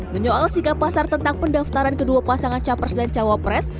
menyoal sikap pasar tentang pendaftaran kedua pasangan capres dan cawapres